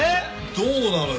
どうなのよ？